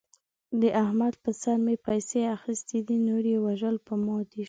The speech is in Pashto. د احمد په سر مې پیسې اخستې دي. نور یې وژل په ما شول.